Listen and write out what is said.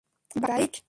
Bike, bike?